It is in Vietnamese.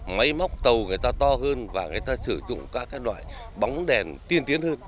máy móc tàu người ta to hơn và người ta sử dụng các loại bóng đèn tiên tiến hơn